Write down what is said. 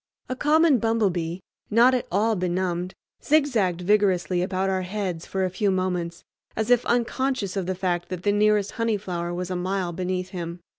A common bumblebee, not at all benumbed, zigzagged vigorously about our heads for a few moments, as if unconscious of the fact that the nearest honey flower was a mile beneath him.